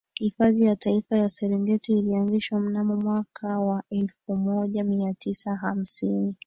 Hifadhi ya Taifa ya Serengeti ilianzishwa mnamo mwaka wa elfu moja Mia Tisa hamsini